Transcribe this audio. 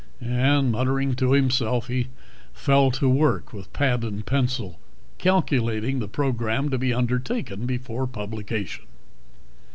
And, muttering to himself, he fell to work with pad and pencil, calculating the program to be undertaken before publication.